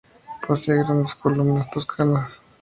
Posee grandes columnas toscanas.